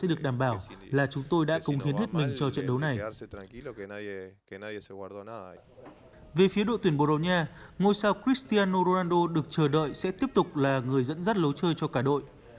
đội tuyển uruguay đã đặt lối chơi cho cả đội